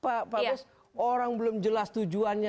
pak bagus orang belum jelas tujuannya